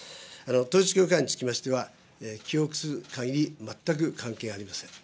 統一教会につきましては、記憶する限り、全く関係ありません。